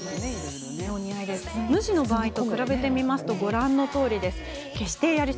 無地の場合と比べてみるとご覧のとおりです。